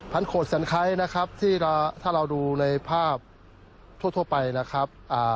พันโขดแสนไคร้นะครับถ้าเราดูในภาพทั่วไปนะครับ